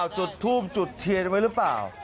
จุดทูบจุดเทียนไว้หรือเปล่า